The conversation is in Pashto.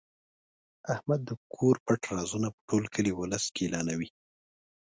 احمد د کور پټ رازونه په ټول کلي اولس کې اعلانوي.